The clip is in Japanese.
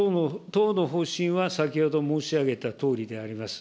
党の方針は、先ほど申し上げたとおりであります。